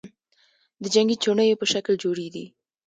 د جنگې چوڼیو په شکل جوړي دي،